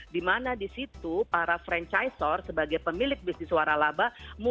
di mana di situ para franchizor sebagai pemilik bisnis waralaba